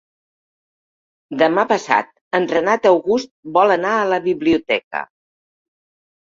Demà passat en Renat August vol anar a la biblioteca.